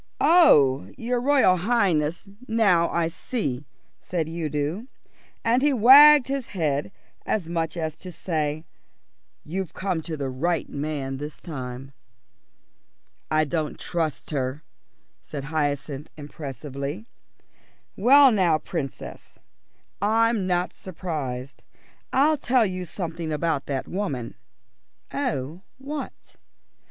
"Oh, your Royal Highness, now I see," said Udo, and he wagged his head as much as to say, "You've come to the right man this time." [Illustration: "Now we can talk," said Hyacinth] "I don't trust her," said Hyacinth impressively. "Well, now, Princess, I'm not surprised. I'll tell you something about that woman." "Oh, what?"